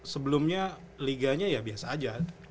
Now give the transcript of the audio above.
sebelumnya liganya ya biasa aja